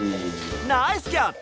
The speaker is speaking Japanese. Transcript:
ナイスキャッチ！